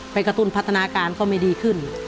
กระตุ้นพัฒนาการก็ไม่ดีขึ้น